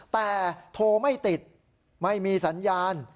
แต่โทรไม่ติดไม่มีสัญญาณ